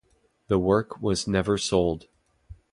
The work was never sold.